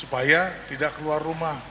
supaya tidak keluar rumah